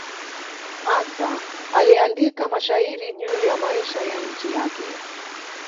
Hasa aliandika mashairi juu ya maisha ya nchi yake.